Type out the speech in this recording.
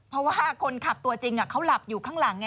เพราะว่าคนขับตัวจริงเขาหลับอยู่ข้างหลัง